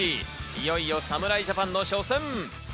いよいよ侍ジャパンの初戦。